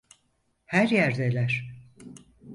Her yerdeler.